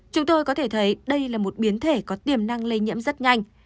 chúng tôi có thể thấy đây là một biến thể có tiềm năng lây nhiễm rất nhanh